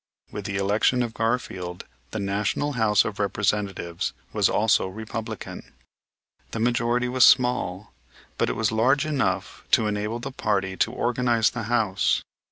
With the election of Garfield the National House of Representatives was also Republican. The majority was small, but it was large enough to enable the party to organize the House.